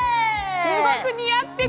すごく似合ってる！